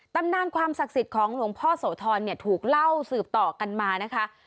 ตำนานความศักดิ์สิทธิ์ของหลวงพ่อโสธรเนี่ยถูกเล่าสืบต่อกันมานะคะ